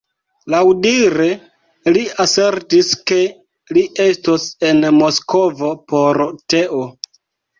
Laŭdire, li asertis, ke li estos en Moskvo por teo.